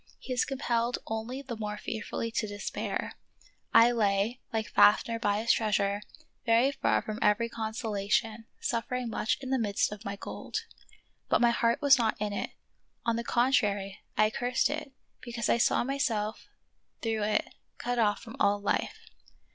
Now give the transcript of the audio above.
He is compelled only the more fearfully to despair. I lay, like Faff ner by his treasure, far from every consolation, suffering much in the midst of my gold. But my heart was not in it ; on the contrary, I cursed it, because I saw myself through it cut off from all life.